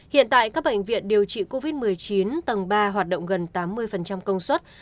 hiện tại các bệnh viện điều trị covid một mươi chín tầng ba hoạt động gần tám mươi công suất